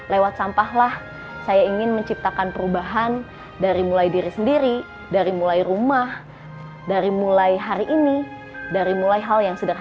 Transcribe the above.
lewat sampahlah saya ingin menciptakan perubahan dari mulai diri sendiri dari mulai rumah dari mulai hari ini dari mulai hal yang sederhana